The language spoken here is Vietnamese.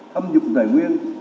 thâm dụng tài nguyên